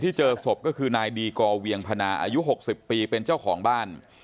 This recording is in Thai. เจอศพก็คือนายดีกอเวียงพนาอายุ๖๐ปีเป็นเจ้าของบ้าน